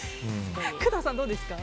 工藤さん、どうですか？